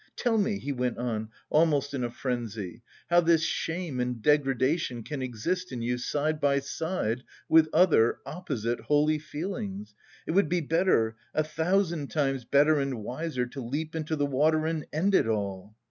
Tell me," he went on almost in a frenzy, "how this shame and degradation can exist in you side by side with other, opposite, holy feelings? It would be better, a thousand times better and wiser to leap into the water and end it all!"